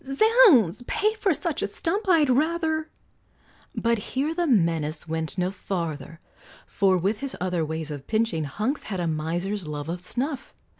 "Zounds! pay for such a stump! I'd rather " But here the menace went no farther, For with his other ways of pinching, Hunks had a miser's love of snuff.